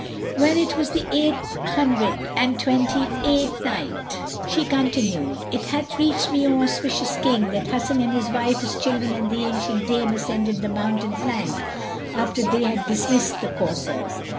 When it was the Eight Hundred and Twenty eighth Night, She continued, It hath reached me, O auspicious King, that Hasan with his wife, his children and the ancient dame ascended the mountain flank after they had dismissed the coursers.